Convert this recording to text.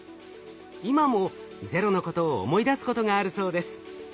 今も「ＺＥＲＯ」のことを思い出すことがあるそうです。